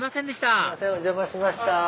すいませんお邪魔しました。